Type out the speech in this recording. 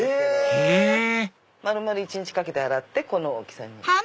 へぇ丸々一日かけて洗ってこの大きさに。